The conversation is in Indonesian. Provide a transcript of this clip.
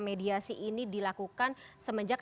mediasi ini dilakukan semenjak